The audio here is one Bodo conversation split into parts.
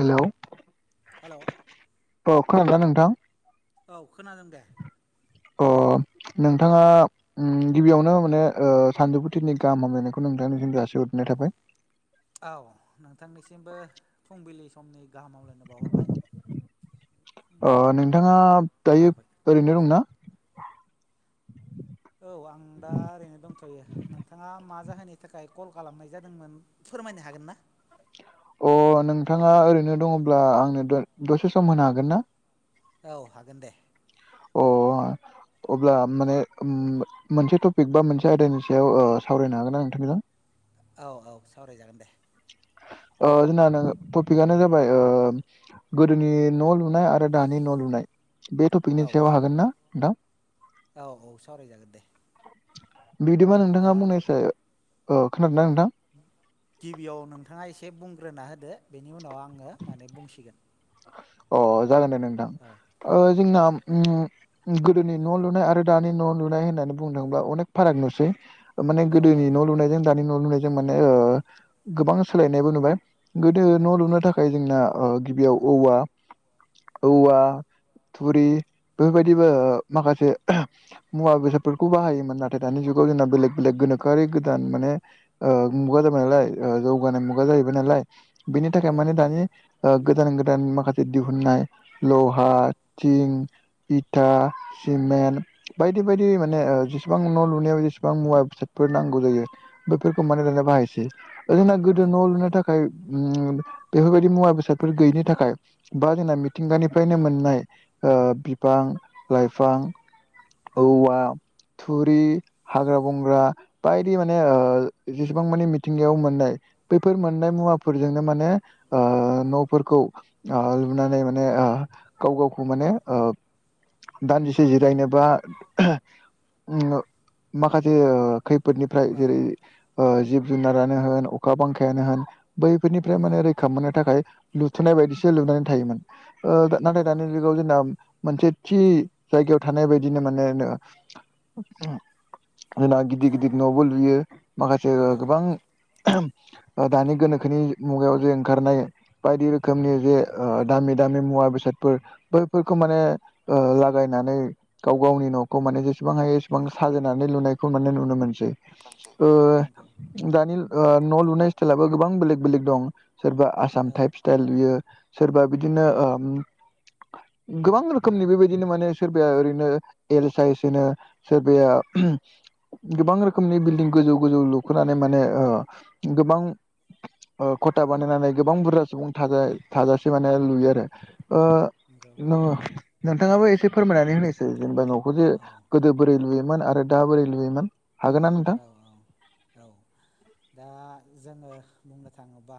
हेल' हेल' अ खोनादों ना नोंथां औ खोनादों दे अ नोंथाङा गिबियावनो माने सानजौफुथिनि गाहाम हामलायनायखौ नोंथांनिोंसि दसि हररनाय थाबाय औ नोंथांनिसिमबो फुंबिलि समनि गाहाम आामलायनो बावहरबाय फुंबिल अ नंबावलाव नोंथाङा नंलादा दायो बारबाय ओरैनो दंना औ आं दा ओरैनो दंथ'यो नोंथाङा मा जाहोननि थाखाय कल खालामनाय जादोंमोन फोरमायनो हागोन ना अ नोंथाङा ओरैनो दङब्ला आंनो दसे सम होनो हागोन ना औ हागोन दे अ अब्ला माने मोनसे टपिक बा मोनसे आयदानि सायाव सावरायनो हागोन ना नोंथांमोनजों औ औ सावरायजागोन दे जोंना टपिकआनो जाबाय गोदोनि न' लुनाय आरो दानि न' लुनाय बे औ टपिकनि औ सायाव हागोन ना नोंथां औ औ सावरायजागोन दे बिदिबा नोंथाङा दा बुंनायसो खोनादोंदा नोंथां गिबियाव नोंथाङा एसे बुंग्रोना होदो बेनि उनाव आङो माने बुंसिगोन अ जागोन दे नोंथां औ औ जोंना गोदोनि न' लुनाय आरो दानि न' लुनाय होननानै बुंदोंब्ला अनेक फाराग नुसै माने औ गोदोनि न' लुनायजों दानि न' लुनायजों माने गोबां सोलायनायबो नुबाय गोदो औ न' औ लुनो थाखाय जोंना गिबियाव औवा औवा थुरि बेफोरबायदिबो माखासे मुवा बेसादफोरखौ बाहायोमोन नाथाय दानि जुगाव जोंना बेलेग बेलेग गोनोखोआरि गोदान माने मुगा जाबाय नालाय जौगानाय मुगा जाहैबाय नालाय बेनि थाखाय औ माने दानि औ गोदान गोदान माखासे दिहुननाय लहा थिं इिथा सिमेन्ट बायदि बायदि माने औ जि बेसेबां न' लुनायाव जेसेबां मुवा बेसाइटफोर नांगौ जायो बेफोरखौ मानि लनानै बाहायसै जोंना गोदो न' नंगौ लुनो नंगौ थाखाय बेफोरबायदि मुवा बेसादफोर गैयिनि थाखाय बा जोंना मिथिंगानिफ्रायनो मोननाय बिफां लाइफां औ औवा थुरि हाग्रा बंग्रा बायदि माने जेसेबां मानि मिथिंगायाव मोननाय बैफोर मोननाय मुवाफोरजोंनो माने न'फोरखौ लुनानै माने गाव गावखौ माने दान्दिसे जिरायनोबा माखासे खैफोदनिफ्राय औ जेरै जिब जुनारानो होन अखा बांखायानो होन बैफोरनिफ्राय नंगौ माने रैखा मोननो थाखाय लुथुनाय बायदिसो लुनानै थायोमोन। औ नाथाय दानि जुगाव जोंना मोनसे थि जायगायाव थानाय बायदिनो माने जोंना गिदिर औ गिदिर न'बो लुयो माखासे गोबां। दानि गोनोखोनि मुगायाव जे ओंखारनाय बायदि रोखोम रोखोमनि जे दामि दामि मुवा बेसादफोर बैफोरखौ माने लागायनानै गाव गावनि न'खौ माने जेसेबां हायो एसेबां साजायनानै लुनायखौ माने नुनो मोनसै। ओ [unintelligible] दानि न' लुनाय स्टाइलाबो गोबां बेलेग बेलेग दं सोरबा आसाम औ टाइप्स सटाइ लुयो सोरबा बिदिनो गोबां रोखोमनि बेबायदिनो माने सोरबाया ओरैनो एल साइसनो सोरबाया गोबां रोखोमनि बिल्डिं गोजौ गोजौ लुखोनानै माने गोबां। खथा बानायनानै गोबां बुरजा सुबुं थाजासे माने लुयो आरो नंगौ नो। नोंथाङाबो एसे फोरमायनानै होनोसै जेनेबा न'खौ जे औ गोदो बोरै लुयमोन आरो दा बोरै लुयोममोन हागोन। नोंथां? औ औ औ दा जोङो बुंनो थाङोब्ला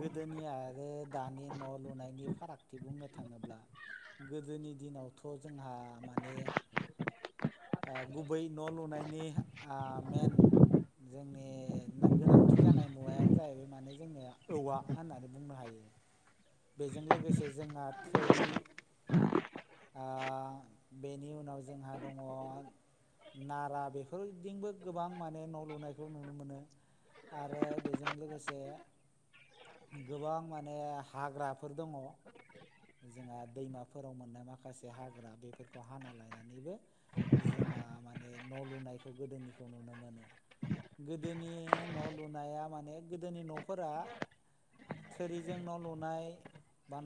गोदोनि आरो दानि न' लुनायनि फारागथि बुंनो थाङोब्ला गोदोनि दिनावथ' जोंहा माने गुबै न' लुनायनि मेन जोंनि गोनांथि जानाय मुवायानो जाहैबाय माने जोङो औवा होननानै बुंनो हायो। बेजों लोगोसे जोंहा थोरि बेनि उनाव जोंहा दंङ। नारा बेफोरदिबो गोबां माने न' लुनायखौ नुनो मोनो। आरो बेजों लोगोसे गोबां माने हाग्राफोर दंङ जोंहा दैमा फोराव मोननाय माखासे हाग्रा बेफोरखौ हाना लायनानैबो जोंहा माने न' लुनायखौ गोदोनिखौ नुनो मोनो। गोदोनि न' लुनाया माने गोदोनि न'फोरा थोरैजों न' न' लुनाय बा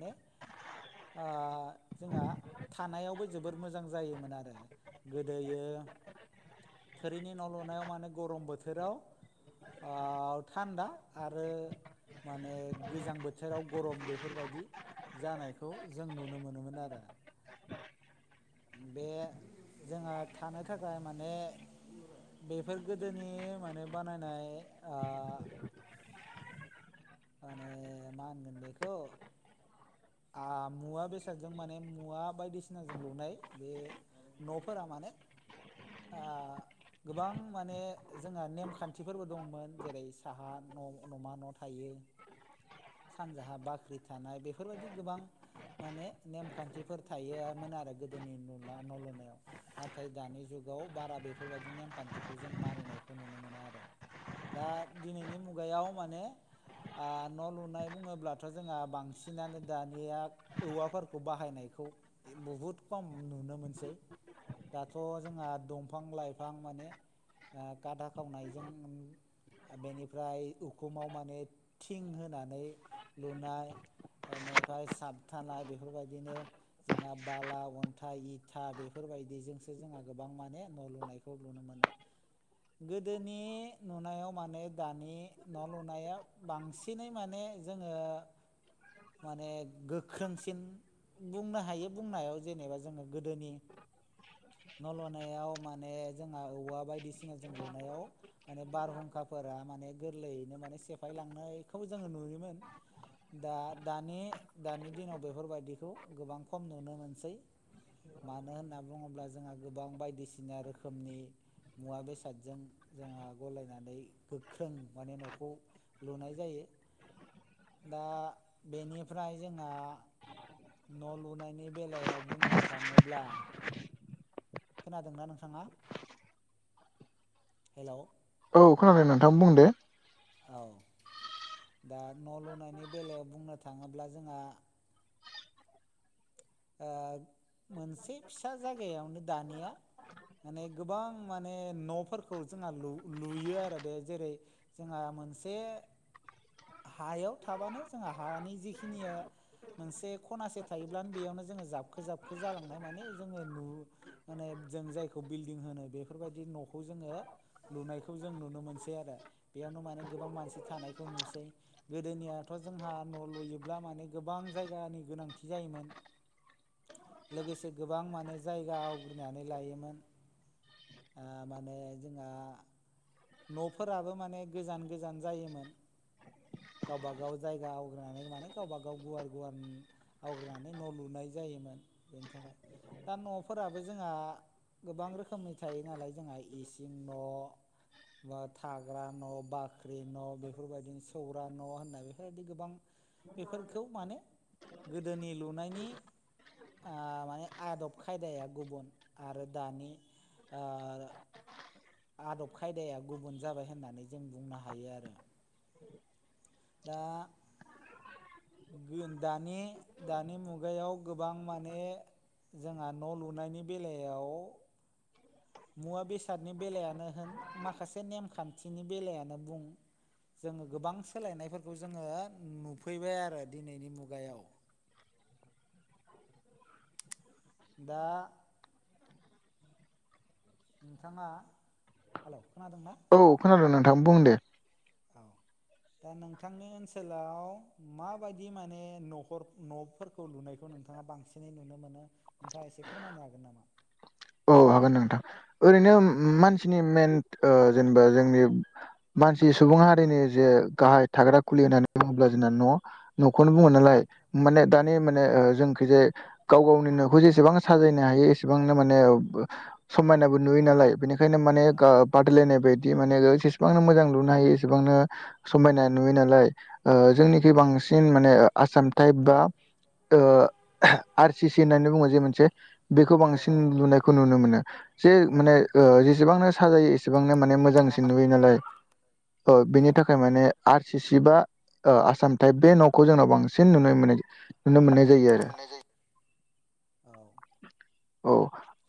नारा जोंहा थानायावबो जोबोर मोजां जायोमोन आरो। गोदोयो थोरिनि न' लुनायाव माने गरम बोथोराव थान्दा आरो माने गोजां बोथोराव गरम बेफोरबायदि जानायखौ जों नुनो मोनोमोन आरो। बे जोङो थानो थाखाय माने बेफोर गोदोनि माने बानायनाय माने मा होनगोन बेखौ आ मुवा बेसादजों माने मुवा बायदिसिनाजों लुनाय बे न'फोरा माने ओ गोबां माने जोंहा नेमखान्थिफोरबो दंमोन जेरै साहा न' न'मा न' थायो [unintelligible] सानजाहा बाख्रि थानाय बेफोरबायदि गोबां माने नेमखान्थिफोर थायोन आरो गोदोनि नु नल'नायाव। नाथाय दानि जुगाव बारा बेफोरबायदि नेमखान्थिखौ जों मानिनायखौ नुनो मोना आरो। दा दिनैनि मुगायाव माने आ न' लुनाय बुङोब्लाथ' जोंहा बां सिनानो दानिया औवाफोरखौ बाहायनायखौ इन बुहुद खम नुनो मोनसै। दाथ' जोंहा दंफां लाइफां माने ओ गादा खावनायजों बेनिफ्राय उखुमाव माने थिं होनानै लुनाय इनिफ्राय साबथानाय बेफोरबायदिनो जोंहा बाला अन्थाइ इथा बेफोरबायदिजोंसो जोंहा गोबां माने न' लुनाय खौ नुनो मोनो। गोदोनि नुनायाव माने दानि न' लुनाया बांसिनै माने जोङो माने गोख्रोंसिन बुंनो हायो बुंनायाव जेनेबा जोङो गोदोनि न' लुनायाव माने जोंहा औवा बायदिसिना जों लानायाव, माने बारहुंखाफोरा माने गोरलैयैनो माने सेफायलांनायखौबो जोङो नुयोमोन। दा दानि दानि दिनाव बेफोरबायदिखौ गोबां खम नुनो मोनसै। मानो होनना बुङोब्ला जोंहा गोबां बायदिसिना रोखोमनि मुवा बेसादजों जोंआ गलायनानै गोख्रों माने न'खौ लुनाय जायो दा बेनिफ्राय जोंहा न' लुनायनि बेलायाव बुंनो थाङोब्ला, खोनादोंना नोंथाङा हेलौ। औ खोनादों नोंथां बुं दे। औ। दा न' लुनायनि बेलायाव बुंनो थाङोब्ला जोंहा ओ मोनसे फिसा जायगायावनो दानिया, माने गोबां माने न'फोरखौ जोंहा लुयो आरो बे जेरै, जोंहा मोनसे हायाव थाबानो जोंहा हानि जिखिनिया मोनसे खनासे थायोब्लानो बेयावनो जोङो जाबखो जाबखो जालांनाय माने जोङो नु माने जों जायखौ बिल्डिं होनो बेफोरबायदि न'खौ जोङो लुनायखौ जों नुनो मोनसै आरो बेयावनो माने गोबां मानसि थानायखौ नुसै गोदोनियाथ' जोंहा न' लुयोब्ला माने गोबां जायगानि गोनांथि जायोमोन लोगोसे गोबां माने जायगा आवग्रिनानै लायोमोन। ओ माने जोंहा न'फोराबो माने गोजान गोजान जायोमोन। गावबा गाव जायगा आवग्रिानै माने गावबा गाव गुवार गुवार आवग्रिनै न' लुनाय जायोमोन बेनि थाखाय दा न'फोराबो जोंहा गोबां रोखोमनि थायो नालाय जोंहा इसिं न' बा थाग्रा न' बाख्रि न' बेफोरबायदिनो सौरा न' होनना बेफोरबायदि गोबां बेफोरखौ माने गोदोनि लुनायनि ओ माने आदब खायदाया गुबुन आरो दानि ओ आदब खायदाया गुबुन जाबाय होननानै जों बुंनो हायो आरो दा दानि दानि मुगायाव गोबां माने जोंहा न‌ लुनायनि बेलायाव मुवा बेसादनि बेलायानो होन माखासे नेमखान्थिनि बेलायानो बुं जोंङो गोबां सोलायनायफोरखौ जोंङो नुफैबाय आरो दिनैनि मुगायाव दा नोंथाङा हेल‌ खोनादोंना औ खोनादों नोंथां बुं दे औ दा नोंथांनि ओनसोलाव माबायदि माने न'खर न'फोर खौ लुनायखौ नोंथाङा बांसिनै नुनो मोनो नोंथाङा एसे फोरमायनो हागोन नामा? औ हागोन नोंथां ओरैनो औ मान सिनि मेनत ओ जेनेबा जोंनि मानसि सुबुं हारिनि जे गाहाय थाग्रा खुलि होननानै बुङोब्ला जोंना न' न'खौनो औ बुंङो नालाय माने दानि औ माने ओ जोंखिजाय गाव गावनि नखौ जेसेबां साजायनो हायो एसेबांनो माने ओब ओ समायनाबो नुयो नालाय बेनिखायनो माने गाब- बादायलायनाय बायदि माने जसेबांनो मोजां लुनो हायो एसेबांनो समायना नुयो नालाय ओ औ औ जोंनिखै बांसिन माने आसाम टाइप औ बा ओ आर सि सि होननानै बुङो जे मोनसे बेखौ बांसिन औ लुनायखौ नुनो मोनो जे औ माने ओ जेसेबांनो साजायो एसेबांनो माने गोबांनो मोजांसिन मोन नुयो नालाय औ बिनि थाखाय माने आर सि सि बा ओ आसाम टाइप बे नखौ जोंनाव बांसिन नुनाय मोन्नाय जायो नुनो मोननाय जायो नुनो आरो मोननाय जायो। औ औ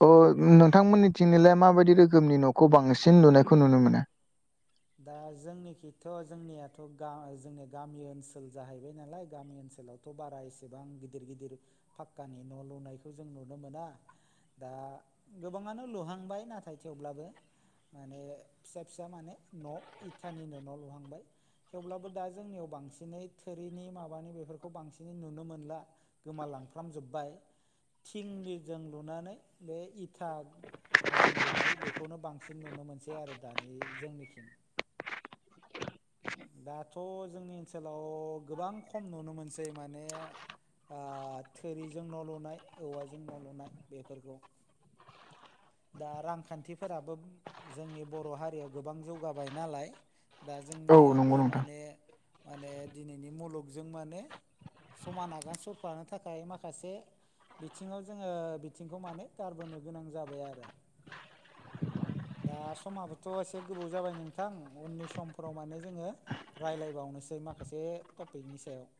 ओ दा नोंथांमोन्नि थिनोलाय माबायदि रोखोमनि न'खौ बांसिन नुनायखौ नुनो मोनो दा जोंनिखिथ जोंनियाथ जोंनिया गामि ओनसोल जाहैबाय नालाय गामि ओनसोलाव' थ' बारा इसेबां गिदिर गिदिर फाक्कानि न' लुनायखौ जों नुनो मोना दा गोबाङानो लुहांबाय नाथाय थेवब्लाबो माने फिसा फिसा माने न' इथानिनो न' लुहांबाय थेवब्लाबो दा जोंनियाव बांसिनै थोरिनि माबानि बेफोरखौ बांसिनै नुनो मोनला गोमालांफ्रामजोब्बाय थिंनिजों लुनानै बे इथा जों लुनाय बेखौनो बांसिन नुनो मोनसै आरो दानि जोंनिखि [unintelligible] दाथ' जोंनि ओनसोलाव गोबां खम नुनो मोनसै माने आ थोरिजों न' लुनाय औवाजों न' लुनाय बेफोरखौ दा रांखान्थिफोराबो जोंनि बर' हारिया गोबां जौ- गाबाय नालाय दा औ नंगौ जोंनियाबो नोंथां माने माने दिनैनि मुलुगजों माने समान आगान सुररफ्लानो थाखाय माखासे बिथिङाव जोङो बिथिंखौ माने गारबोनो गोनां जाबाय आरो दा समाबोथ' एसे गोबाव जाबाय नोंथां उननि समफोराव माने जोङो राय्लायबावनोसै माखासे टपिकनि सायाव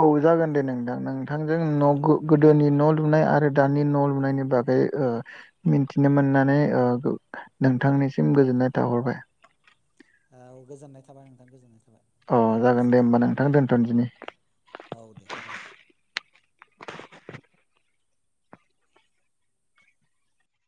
औ जागोन दे नोंथां नोंथांजों न' औ गोदोनि न' लुनाय आरो दानि न' लुनायनि बागै ओ मिथिनो मोननानै ओ नोंथांनिसिम गोजोननाय थाहरबाय औ गोजोननाय थाबाय नोंथां गोजोननाय थाबाय अ जागोन दे गोजोन्थों होमबा नोंथां दोन्थनदिनि औ दे